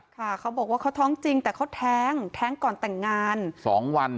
ค่ะเขาบอกว่าเขาท้องจริงแต่เขาแท้งแท้งก่อนแต่งงาน๒วัน